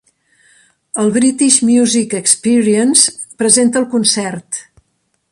El British Music Experience presenta el concert.